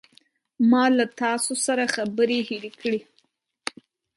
ما له تاسو سره خبرې هیرې کړې.